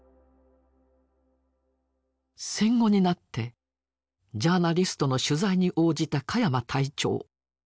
戦後になってジャーナリストの取材に応じた鹿山隊長。